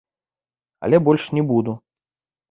Але больш не буду.